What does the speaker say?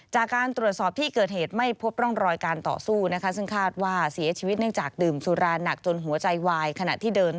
จากการตรวจสอบที่เกิดเหตุไม่พบร่องรอยการต่อสู้นะคะ